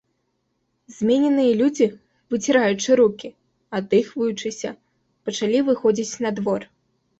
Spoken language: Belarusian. Змененыя людзі, выціраючы рукі, аддыхваючыся, пачалі выходзіць на двор.